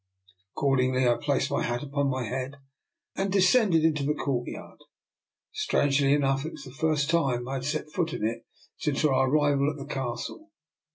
Accordingly, I placed my hat upon my head and descended to the court yard. Strangely enough it was the first time I had set foot in it since our arrival at the Cas tle.